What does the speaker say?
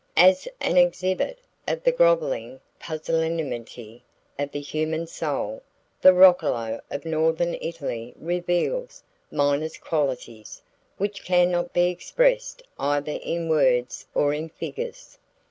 As an exhibit of the groveling pusillanimity of the human soul, the roccolo of northern Italy reveals minus qualities which can not be expressed either in words or in figures.